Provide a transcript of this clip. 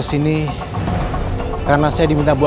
orang maunya kayak biasa juga